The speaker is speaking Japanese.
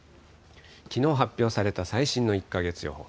きのう発表された最新の１か月予報。